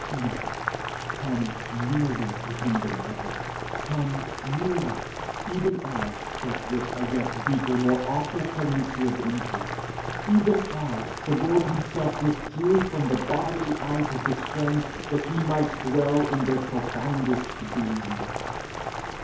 no; come nearer to him than ever; come nearer, even as but with a yet deeper, more awful pregnancy of import even as the Lord himself withdrew from the bodily eyes of his friends, that he might dwell in their profoundest being.